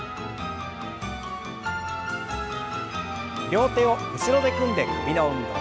両手を後ろで組んで首の運動。